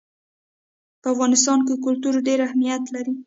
په افغانستان کې کلتور ډېر اهمیت لري.